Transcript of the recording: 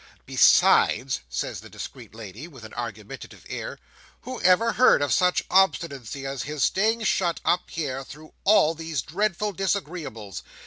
"Besides," says the discreet lady, with an argumentative air, "who ever heard of such obstinacy as his staying shut up here through all these dreadful disagreeables?